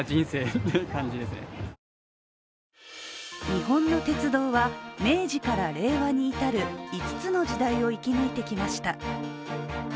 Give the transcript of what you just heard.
日本の鉄道は明治から令和に至る５つの時代を生き抜いてきました。